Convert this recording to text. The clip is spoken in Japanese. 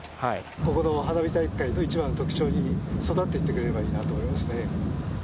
ここの花火大会の一番の特徴に育っていってくれたらいいなと思いますね。